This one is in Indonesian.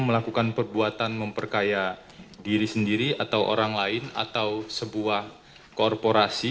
melakukan perbuatan memperkaya diri sendiri atau orang lain atau sebuah korporasi